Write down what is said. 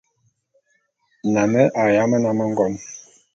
Nane a yám nnám ngon.